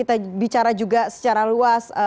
kita bicara juga secara luas